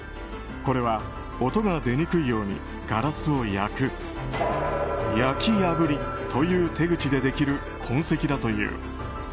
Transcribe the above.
これは音が出にくいようにガラスを焼く焼き破りという手口でできる痕跡だという。